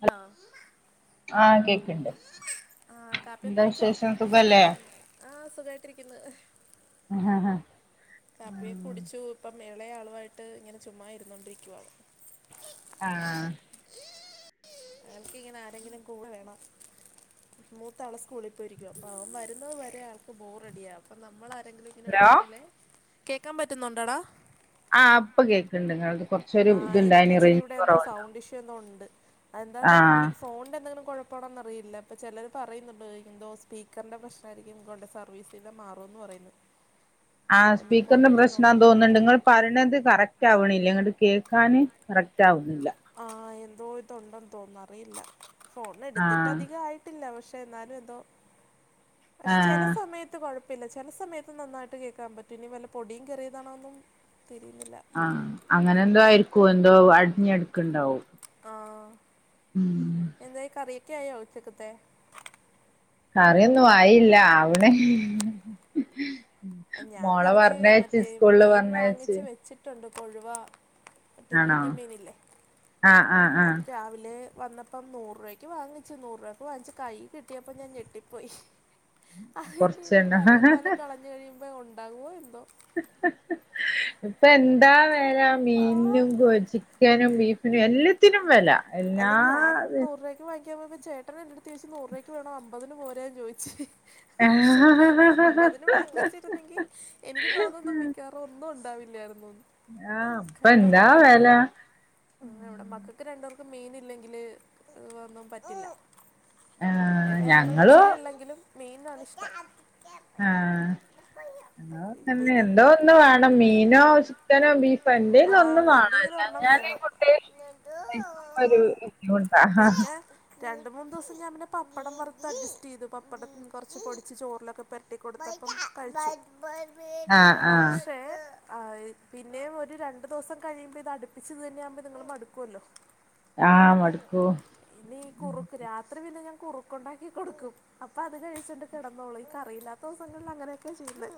Hello ആഹ് ആ cake ഇണ്ട് ആ കാപ്പിയോക്കെ കുടിച്ചോ സുഖല്ലേ ആഹ് സുഖായിട്ടിരിക്ന്ന് ഹ് ഹ.. ഹ.. ഹാ! കപ്പിയൊക്കെ കുടിച്ചു ഇപ്പം എളെയാളുവായിട്ട് ഇങ്ങനെ ചുമ്മാ ഇരുന്നാേണ്ടിരിക്കുവാ ആഹ് എൻക്കിങ്ങനെ ആരെങ്കിലും കൂടെ വേണം മൂത്താള് സ്കൂളി പോയിരിക്കുവാ അപ്പൊ അവൻ വര്ന്നത് വരെ ആൾക്ക് ബോറടിയാ അപ്പൊ നമ്മളാരെങ്കിലും ഇങ്ങനെ ഹലോ ഉണ്ടെങ്കിലേ.. കേക്കാൻ പറ്റുന്നുണ്ടോഡാ..? ആഹ് ഇപ്പം കേക്ക്ണ്ട് ങ്ങൾത് കൊർ ആഹ് എനിക്ക് ഇച്ചിരി ഇവ്ടെ എന്തോ സൗണ്ടിഷ്യൂ എന്തോ ഉണ്ട് അത് എന്താന്നർ ആഹ് നി ഫോൺന്റെ എന്തേലും കൊഴപ്പാണോന്നറിയില്ല പ്പെ ചെലെര് പറെയ്ന്ന്ണ്ട് എന്തോ സ്പീക്കർന്റെ പ്രശ് അതായിരിക്കും കൊണ്ട് സർവീസിന്റെ മറൂന്ന് പറയ്ന്നെ ആഹ് സ്പീക്കറിന്റെ പ്രേശ്നമാണെന്ന് തോന്നുന്നുണ്ട്. പ റീണത് കറക്റ്റാവ്ണില്ല ഇങ്ങട്ട് കേൾക്കാന് കറക്റ്റാവുന്നില്ല ആഹ് എന്തോ ഇതുണ്ടെന്ന് തോന്നുന്ന് അറിയില്ല ഫോണെട്ത്ത്ട്ട് ആഹ് അധികായ് ത്തില്ല പക്ഷെ എന്നാലും എന്തോ പക്ഷെ ചെലെ ആഹ് സമയെത്ത് കൊഴ പിന്നെ ചെല സമയത്ത് നന്നായിട്ട് കേക്കാം പറ്റും ഇനി വല്ല പൊടിയും കേറിയതാതാണോന്നും തിരിയുന്നില്ലാ ആഹ്. അങ്ങനെ എന്തോ ആയിരിക്കും എന്തോ അടഞ്ഞുകിടക്കുന്നുണ്ടാവും! ആഹ് ഉം.. എന്തായ് കറിയൊക്കെ ആയോ ഉച്ചക്കത്തേ? കറ്യൊന്നും ആയില്ല ആവ്ണ് ഞാൻ കൊറച്ചു മറ്റേ മീൻ പറഞ്ഞയച്ച് വാങ്ങിച്ചു വെച്ചിട്ടുണ്ട് കൊഴുവാ മറ്റേ ആണോ കുഞ്ഞും മീന്ല്ലേ ആഹ് ആഹ് അത് രാവ്‌ലേ വന്നപ്പം നൂറ് രൂപയ്ക്ക് വാങ്ങിച്ച് നൂറ് രൂപക്ക് വാങ്ങിച്ച് കയ്യീ കിട്ടിയപ്പോ ഞാൻ ഞെട്ടിപ്പോയ് അതിന്റെ കൊറച്ചെണ്ണം തലയുംവാലും കളഞ്ഞു കഴിയുമ്പോ ഉണ്ടാകുവോ എന്തോ? ഇപ്പ എന്താ വെലാ ആ മീൻനും കാെജി ചിക്കാനും ബീഫിനും എല്ലാം! ത്തിനും വെലാ അല്ല ഞാൻ നൂറ് രൂപയ്ക്ക് വാങ്ങിക്കാൻ പോയപ്പോ ചേട്ടൻ എന്റെ അടുത്ത് ചോയ്ച്ച് നൂറ് രൂപയ്ക്ക് വേണോ അമ്പതിന് പോരേന്ന് ചോയ്ച്ച് പക്ഷെ ആഹ് അമ്പതിന് വാങ്ങിച്ചി എങ്കിൽ എനിക്ക് തോന്നുന്നു മിക്കവാറും ഒന്നും ഉണ്ടാവില്ലായിരുന്നു. ഇപ്പൊ കാര്യം വ്ടെ എന്താ മക്കക്ക് വെല ഉം ഇവ്ടെ മക്കക്ക് രണ്ട് പേർക്കും മീനില്ലെങ്കില് ഒന്നും പറ്റില്ലാ ആഹ് ഇളയാള് ഞങ്ങളും ഇച്ചിരിള്ളെങ്കിലും മീൻ ആണ് ഇഷ്ടം ആഹ് ഞങ്ങളും ഇപ്പ തന്നെ എന്തോ ഇനിയിപ്പം ഒന്ന് മീനോ ചിക്കനോ ബീഫോ ആ എന്തല് ഒന്നും വേണം എന്തെങ്കിലും ഒരെണ്ണം അലഞ്ഞെല് വേണം കുട്ടി കഴിക്കുമ്പോ ഒരു ബുദ്ധിമുട്ടാ രണ്ടു മൂന്ന് ദിവസം ഞാൻ പിന്നെ പപ്പടം വർത്തഡ്ജസ്റ്റെയ്തു പപ്പടം കൊറച്ച് പൊടിച്ച് ചോർലൊക്കെ പെര്റ്റി കൊട്ത്തപ്പം കഴിച്ചു ആഹ് ആഹ് പക്ഷെ ആഹ് പിന്നേം ഒര് രണ്ട് ദിവസം കഴിയുമ്പ ഇതട്പ്പിച് ഇത് തന്നെയാവുമ്പോ ഇത്ങ്ങള് മട്ക്കുവല്ലോ ആഹ്.. മടുക്കും! ഇനി ഈ കുറുക്ക് രാത്രി പിന്നെ ഞാൻ കുറുക്കുണ്ടാക്കി കൊട്ക്കും അപ്പൊ അത് കഴിച്ചിട്ട് കിടന്നോളും ഈക്കറിയില്ലാത്ത ദിവസങ്ങളിൽ അങ്ങനെയൊക്കെ ചെയ്യേന്നേ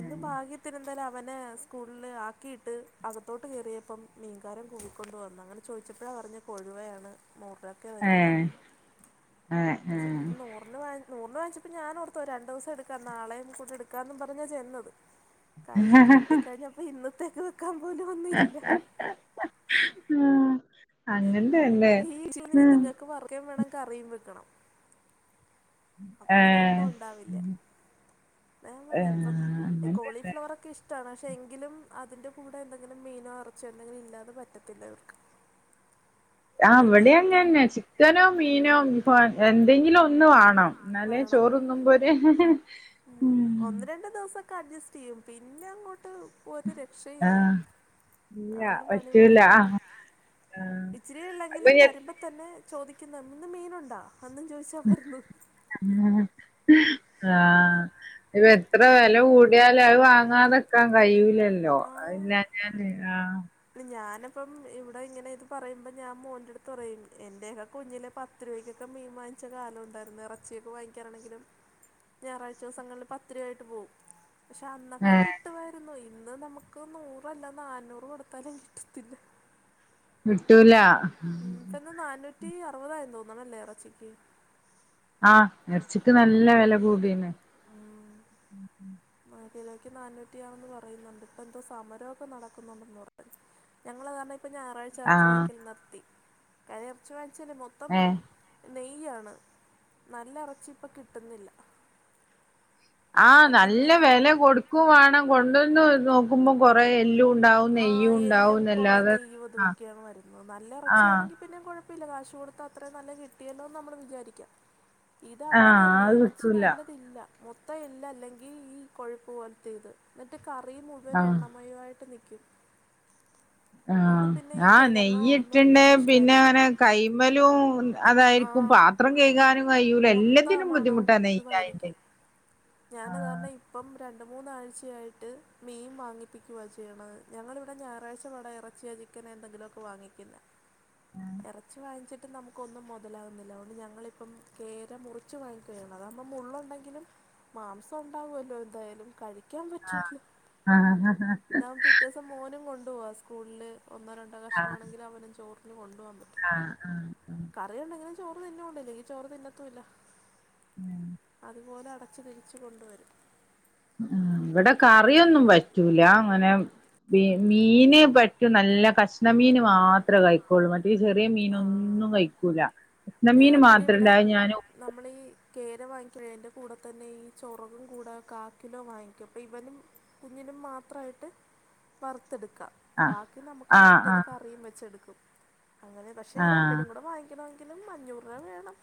ഇന്ന് ഭാഗ്യത്തിന് എന്തായാലും അവന് സ് സ്കൂളിൽ ആക്കിയിട്ട് അകത്തോട്ട് കയറിയപ്പം മീൻകാരൻ കൂവിക്കൊണ്ട വന്നു അങ്ങനെ ചോദിച്ചപ്പോഴാണ് പറഞ്ഞെ കൊഴുവയാണ് നൂർരൂപക്കെ ഏഹ് തരുവൊള്ളെന്ന് ഏഹ് ചെന്ന് ഏഹ് നൂ നൂർനു വാങ്ങി നൂർനു വാങ്ങിച്ചപ്പോ ഞാനോർത്തു ഒര് രണ്ട് ദിവെസം എട്ക്കാ നാളെയും കൂടെ എട്ക്കാന്നും പറഞ്ഞാ ചെന്നത് കയ്യീ കിട്ടിക്കഴിഞ്ഞപ്പോ ഇന്നത്തേക്ക് വെക്കാം പോലും ഒന്നും ഇല്ലാ ആഹ് അങ്ങൻ തന്നെ ഉം ക്കേം വേണം കറിയും വെക്കണം അപ്പൊ പിന്നെ ഒന്നും ഉണ്ടാവില്ല്യാ അതാ ഞാൻ ഏഹ് പറഞ്ഞെ ഇപ്പം ഏഹ് അങ്ങനെന്നെ കോളിഫ്ലവറൊക്കെ ഇഷ്ട്ടാണ് പക്ഷെ എങ്കിലും അതിൻ്റെ കൂടെ എന്തെങ്കിലും മീനോ എറച്ചിയൊ എന്തെങ്കിലും ഇല്ലാതെ പറ്റത്തില്ല ഇവർക്ക്. ആ പിന്നൽ ഇവടിം അങ്ങന്നെ ചിക്കനോ ഉം മീനോ ബീഫോ എന്തെങ്കിലും ഒന്ന് വാണം ഇന്നാലേ വേണം ചോറു [unintelligible] ഉം ഒന്ന് രണ്ട് ദിവസൊക്കെ അഡ്ജ്സ്റ്റ് ചെയ്യും പിന്നെ അങ്ങോട്ട് ഒരു രക്ഷയൂല്ല ആഹ് ഇല്ല ആള് പണി പറ്റൂല മുടക്കും ആഹ് ഇച്ചിരി അപ്പൊ ഇള്ളെങ്കിലും വരുമ്പ തന്നെ ചോദിക്ക്ന്നെ ഇന്ന് മീനുണ്ടാ അന്നും ചോയ്ച്ചാ വര്ന്ന് ഉം ആഹ് ഇപ്പ എത്ര വെല കൂ [unintelligible] അത് വാങ്ങാതെ നിക്കാൻ കഴിയൂലല്ലോ അത് ആഹ് പിന്നെ [unintelligible] ആഹ് ഞാനപ്പം ഇവിടെ ഇങ്ങനെ ഇത് പറയ്മ്പോ ഞാൻ മോൻ്റെട്ത് പറയും എൻ്റെക്കെ കുഞ്ഞിലെ പ [unintelligible] രുവക്കൊക്കെ മീൻ വാങ്ങിച്ച കാലം ഒണ്ടായിരുന്നു എറച്ചിയൊക്കെ വാങ്ങിക്കാനാണെങ്കിലും ഞായറാഴ്ചൂസങ്ങളില് പത്ത് രൂവായിട്ട് പോവും പക്ഷെ അന്നൊക്കെ ഏഹ് കിട്ടുവാരുന്നു ഇന്ന് നമുക്ക് നൂറല്ല നാനൂറ് കൊട് ത്താലും കിട്ടത്തില്ല കിട്ടൂല ഉം ഇപ്പന്ന് നാന്നൂറ്റി അർവതായെന്ന് തോന്നുണല്ലേ എറച്ചിക്ക് ആഹ് എർച്ചിക്ക് നല്ല വെല കൂടീണ്. മാ കിലോയ്ക്ക് നാന്നൂറ്റിയാണേന്ന് പറയ്ന്ന്ണ്ട് ഇപ്പ എന്തോ സമരോക്ക നടക്കുന്നൊണ്ടെന്നു [unintelligible] ഞങ്ങള [unintelligible] ഇപ്പ ഞായറാഴ്ച എറച്ചി ആഹ് വാങ്ങിക്കല് നിർത്തി കാര്യം എറച്ചി വാങ്ങിച്ചാല് മൊത്തം ഏ നെയ്യാണ് നല്ല എറച്ചി ഇപ്പ കിട്ട്ന്നില്ല ആഹ് നല്ല പിന്നെ വെല കൊട്ക്കും വാണം കൊണ്ടന്ന് നോക്കുമ്പം കൊറെേ എല്ലും ഇണ്ടാവും. ആഹ് എല്ലും കൊറേ നെയ്യും ഇതും ആഹ് ഒക്കെയാണ് വരുന്നത് നല്ല ആഹ് എറച്ചിയാണെങ്കി പിന്നേം കൊഴപ്പല്യ കാശ് കൊടുത്താ അത്രയും നല്ലത് കിട്ടിയല്ലോന്ന് നമ്മള് വിചാരിക്ക ഇത് ആഹ് അങ്ങനെയല്ല അത് എറച്ചി കിട്ടൂല നല്ലതില്ല മൊത്തം എല്ല് അല്ലെങ്കി ഈ കൊഴുപ്പ് പോൽത്ത ഇത് ഇന്നിട്ട് കറി മുഴുവൻ ആഹ് എണ്ണമയൊ ആയിട്ട് നിക്കും. ആഹ് ആഹ് നെയ്യ് ഇറ്റിണ്ട് ഇടാൻ പിന്നെ ഇഷ്ടമല്ല അങ്ങനെ കയ് മേലും ആ അതായിരിക്കും പാത് ത്രം കയ്കാനും കയ്യൂല മൊത്തം എല്ലത്തിനും ആ ബുദ്ധിമുട്ടാ നെയ്യായ്ണ്ടെ ഞാനതാരണം ഇപ്പം രണ്ട് മൂന്നാഴ്ചയായിട്ട് മീൻ വാങ്ങിപ്പിക്കുവാ ചെയ്ണത്. ഞങ്ങളിവിടെ ഞായറാഴ്ച ഇവടെ എറച്ചിയോ ചിക്കനൊ എന്തെങ്കിലോക്കെ വാങ്ങിക്കിന്നേ എറച്ചി വാങ്ങിച്ചി [unintelligible] നമുക്കൊന്നും മുതലാവ്ന്നില്ല അതൊണ്ട് ഞങ്ങളിപ്പം കേര മുറിച്ച് വാങ്ങിക്കാ ചെയ്യുന്നേ അതാവുമ്പോ മുള്ളൊണ്ടെങ്കിലും മാംസം ഉണ്ടാവുല്ലോ എന്തായാലും കഴിക്കാൻ പറ്റൂല്ലോ ആഹ് ആഹ് ഞാം പിൻ റ്റോസം മോനും കൊണ്ടുവ്വ സ്കൂൾല് ഒന്നോ രണ്ടോ കഷ്ണാണെങ്കില് അവനും ചോറ്ന് കൊണ്ടുവാൻ പറ്റും. ആഹ് ആഹ് ആഹ് അറിയുണ്ടെങ്കിലേ ചോറ് തിന്നുള്ളൂ ഇല്ലെങ്കി ചോറ് തിന്നത്തൂല്ല ആഹ് അത്പോലെ അട [unintelligible] തിരിച്ച് കൊണ്ട് വരും ഉം ഇവടെ കറി ഒന്നും പറ്റൂല ങ്ങനെ [unintelligible] മീന് പറ്റും നല്ല കഷ്ണ മീന് മാത്രേ കഴിക്കുള്ളൂ മ ഈ ചെറിയ ആ മീനൊന്നും കഴിക്കൂല്ല നെമ്മീന് മാത്രല്ലേ അത് ഞാനു നമ്മളീ കേര വാങ്ങിക്ക്ണേൻ്റെ കൂടെ തന്നെ ഈ ചൊറകും കൂടെ കാക്കിലോ വാങ്ങിക്കും പ്പ ഇവനും കുഞ്ഞിനും മാത്രായിട്ട് വറ്ത്തെട്ട്ക്കാ ആ ബാക്കി നമ്ക്ക് ആ ആ മറ്റെത് കറിയും വെച്ചെട്ക്കും അങ്ങനെ പക്ഷെ ആ രണ്ടിനും കൂടെ വാങ്ങിക്കെണമെങ്ങിലും അഞ്ഞൂറ്പ വേണം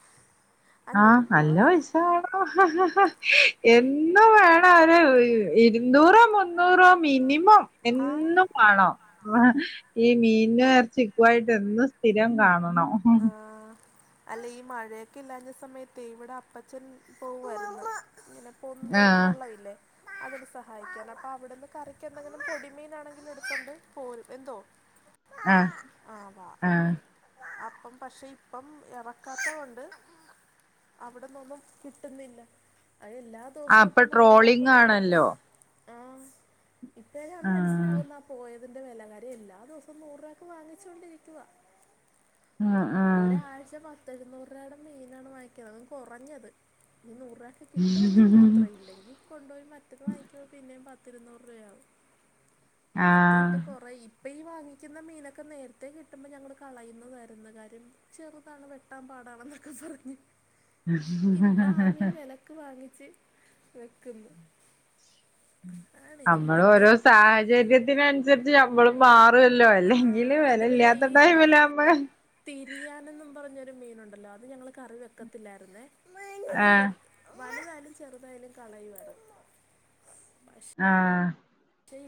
ആഹ് അഞ്ഞൂറ് നല്ല പോരാ പൈസ വേണം എന്നും വേണം ഒര് ഇര്ന്നൂറോ മുന്നൂറോ മിനിമം ആ എന്നും വേണം ഈ മീൻനും എർച്ചിക്കുവായിട്ട് എന്നും സ്ഥിരം കാണണം ആഹ് അല്ല ഈ മഴെയെക്കെ ഇണ്ടായ്‌ര്ന്ന സമയത്തേ ഇവിടെ അപ്പച്ചന് പോവായിര്ന്നു ങ്ങെനെ പൊന്ത് ആ വെള്ളവില്ലേ അതൊരു സഹായിക്കാന് അപ്പോ അവിടന്ന് കറിക്കെന്തെങ്കിലും പൊടിമീനാണെങ്കിലും എടുതോണ്ടു പോരും എന്തോ ആ ആ പോം ആ അപ്പ് പക്ഷെ ഇപ്പം എറക്കാത്തതോണ്ട് അവിടന്നൊന്നും കിട്ടുന്നില്ല അയ് എല്ലാം ആ ദോവസോം ഇപ്പൊ ഇപ്പം നൂറുരൂപാക്ക് ട്രോളിങ് നൂറുരൂപാക്ക് ആണല്ലോ ഇപ്പഴാണ് ആ മനസ്സിലാകുന്ന ആ പോയതിൻ്റെ വെലകാര്യം എല്ലാ ദിവസോം നൂറുരൂപാക്ക് വാങ്ങിച്ചോണ്ടിരിക്കുവാ ആ ഒരാഴ്ച് പത്ത് എഴുന്നൂറാടെ മീനാണ് വാങ്ങിക്കണത് അതും കൊറഞ്ഞത് ഇനി നൂറ് രൂപാ കിട്ടുവെങ്കി മാത്രം ഇല്ലെങ്കി കൊണ്ടോയി മറ്റത് വാങ്ങിക്കുമ്പോ പിന്നേം പത്തിഇരുന്നൂറ് രൂപയാവും ആഹ് മറ്റേട്ട് കൊറേ ഈ ഇപ്പൊ ഈ വാങ്ങിക്കുന്ന മീനൊക്കെ നേരത്തെ കിട്ടുമ്പോ ഞങ്ങള് കളയുന്നതായിരുന്നു കാര്യം ചെറുതാണ് വെട്ടാൻപാടണെന്നൊക്കെ പറഞ്ഞ് ഇപ്പ ആ മീൻ വെല ക്ക് വാങ്ങിച്ച് വെക്ക്ന്ന് അമ്മള് ഓരോ സാഹചര്യത്തിന് ഇത്‌ ഞമ്മള് മാറുവല്ലോ ആ, അല്ലെങ്കില് അതുപോലെ വെലയില്ലാത്ത ഈ ടൈമിലാവുമ്പഴ് തിരിയാനെന്നും പറഞ്ഞൊരു മീനൊണ്ടല്ലോ അത് ഞങ്ങള് കറി വെക്കത്തില്ലാരുന്നേ അത് എ ആഹ് വലുതായാലും ചെറുതായാലും കളയുവായിരുന്നു ആ ശരി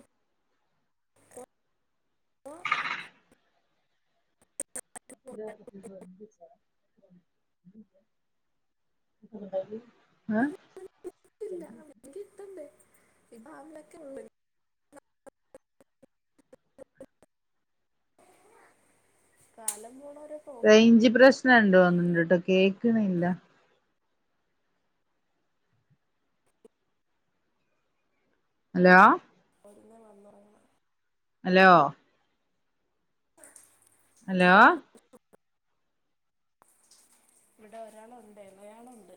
[inaudible] [inaudible] [unintelligible] എഹ് [inaudible] കാലംപോണൊരു പൊ റേയ്ഞ്ച് പ്രശ്നം ഉണ്ടോന്നോന്നണിട്ട്ണ്ടോ കേക്കണില്ല ഹലോ ഒരുങ്ങിവന്നോളണം ഹലോ ഹലോ [unintelligible] ഇവ്ടെ ഒരാളൊണ്ടായിരുന്നു അയാളൊണ്ട്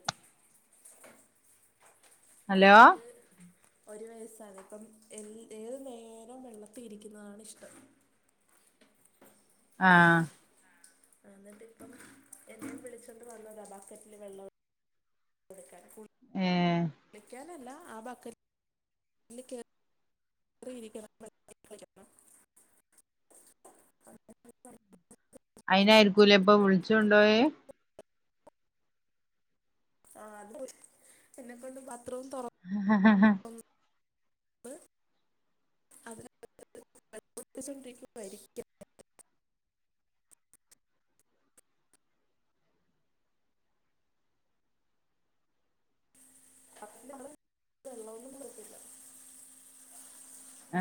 ഹലോ അത് ഒരു വയസ്സാണിപ്പം എല്ല് ഏതുനേരവും വെള്ളത്തി ഇരിക്കുന്നതാണിഷ്ട്ടം ആ ആ എന്നിട്ടിപ്പം എന്നെ വിളിച്ചോണ്ടുവന്നതാ ബക്കറ്റില് വെള്ളം കൊടുക്കാൻ കുളി ഏഹ് കുളിക്കാനല്ല ആ ബക്കറ്റ് ഒന്നുകേ റിയിരിക്കണം അയ്നായിരിക്കൂലേ ഇപ്പൊ വിളിച്ചോണ്ടോയേ ആ അത് എന്നെക്കൊണ്ടു ബാത്റൂം തൊറ ഹ ഹ ഹ ഹാ [unintelligible] കപ്പിലവള് വെള്ളൊന്നും കൊടുത്തില്ല ആ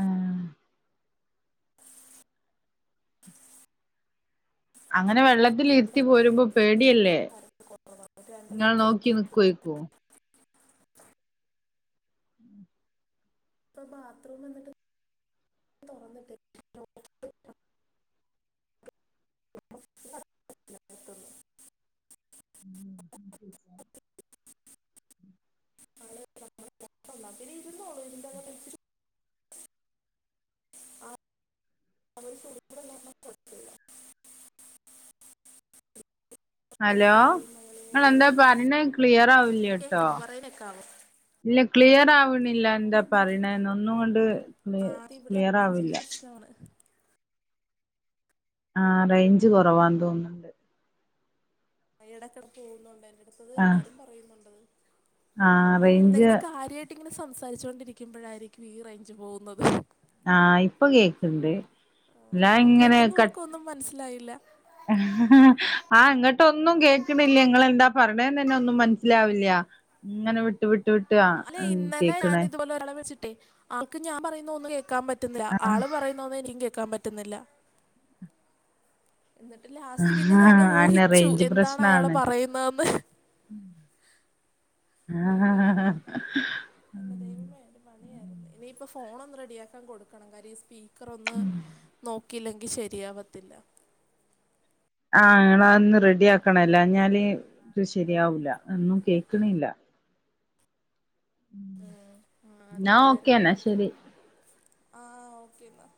അങ്ങനെ വെള്ളത്തിലിരിത്തിപോരുമ്പോ പേടി ട്ടിയല്ലേ ഇങ്ങള് നോക്കിനിക്കോ ഇപ്പൊ ഇപ്പൊ ബാത്റൂമെന്നിട്ട് എടുത്തുന്നു [inaudible] [unintelligible] ആഹ് [inaudible] ഹലോ പനിയും അങ്ങനെ ങ്ങൾ ഇങ്ങനെ എന്താ ഇങ്ങനെ പറഞ്ഞേ ക്ലിയർ ആവല്ലാട്ടോ കേൾക്കാമോ പറയുന്നൊക്കെ ആവും ഇല്ല ക്ലിയർ ആവ്ണില്ല എന്താ പറയുണെന്ന് ഒന്നുങ്ങണ്ട് ആദ്യം ഇവിടെ ക്ലിയർ ആവില്ല [inaudible] ആഹ് റേഞ്ച് കുറവാന്ന് തോന്നുന്നു എടെക്കെടക്ക് പോകുന്നുണ്ട് എൻ്റടുത്തത് ആ എല്ലാരും പറയുന്നുണ്ട് ആ അയിന് റേഞ്ച് എന്തെങ്കിലും കാര്യ സംസാരിച്ചു കൊണ്ടിരിക്കുമ്പോഴായിരിക്കും ഈ റേഞ്ച് പോകുന്നത് ആഹ് ഇപ്പൊ കേക്ണ്ട് ആഹ് അപ്പൊ കേൾക്കുന്നവർക്ക് ഒന്നും മനസ്സിലായില്ല ആഹ് ഇങ്ങട്ട് ഒന്നും കേൾക്കുന്നില്ല ഇങ്ങള് പറയുന്നത് എന്താ പറയുന്നേ എന്ന് തന്നെ മനസ്സിലാവുന്നില്ല ഇങ്ങനെ വിട്ട് വിട്ട് വി ആ അല്ലെ ഇന്നലെ ഞാൻ ഇതുപോലെ ഒരാളെ വിളിച്ചിട്ടേ ആൾക്ക് ഞാൻ പറയുന്ന ഒന്നും കേൾക്കാൻ പറ്റുന്നില്ല ആ ആൾ പറയുന്ന [unintelligible] കേക്കാൻ പറ്റുന്നില്ല എന്നിട്ട് ആ ലാസ്റ്റ് പിന്നെ ഞാൻ ആണ് ഊഹിച്ചു എന്താണ് അയാള് പറയുന്നതെന്ന് ആഹ് അങ്ങനെ ആഹ് ആഹ് എന്റെ ദൈവം എന്റെ പണിയായിരുന്നു ഇനിയിപ്പൊ ഫോണ് ഒന്ന് റെഡിയാക്കാൻ കൊടുക്കണം കാര്യം ഈ സ്പീ ക്കറൊന്ന് നോക്കിയില്ലെങ്കി ശരിയാവത്തില്ലാ ആഹ് അതൊന്ന് റെഡി ആകണം അല്ലാഞ്ഞാല് ഇത് ശെരിയാവില്ല ഒന്നും കെക്ക്ണില്ല ഉം ന്നാ ഓക്കേന്നാ ശരി ആഹ് ഓക്കെന്നാ